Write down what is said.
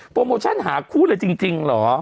โมชั่นหาคู่เลยจริงเหรอ